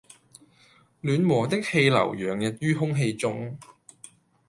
暖和的氣流洋溢於空氣中